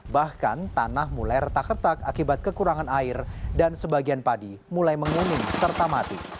bahkan tanah mulai retak retak akibat kekurangan air dan sebagian padi mulai menguning serta mati